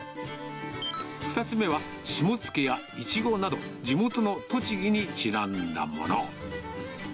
２つ目は、しもつけやいちごなど、地元の栃木にちなんだもの。